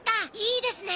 いいですね